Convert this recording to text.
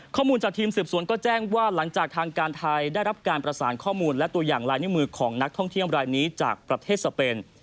ข้อมูลจากทีมสืบสวนก็แจ้งว่าหลังจากทางการไทยได้รับการประสานข้อมูลและตัวอย่างลายนิ้วมือของนักท่องเที่ยวรายนี้จากประเทศสเปน